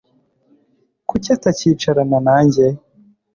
Kuki atakicarana nanjye